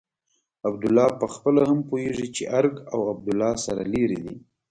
عبدالله پخپله هم پوهېږي چې ارګ او عبدالله سره لرې دي.